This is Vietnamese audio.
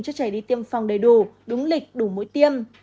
cho trẻ đi tiêm phòng đầy đủ đúng lịch đủ mũi tiêm